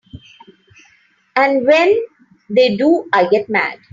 And when they do I get mad.